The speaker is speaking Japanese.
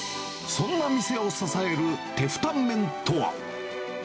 そんな店を支えるテフタンメンとは。